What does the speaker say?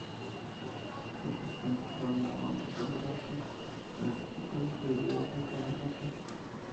Sus presidentes fueron Armando Calderón Sol, Francisco Flores y Elías Antonio Saca.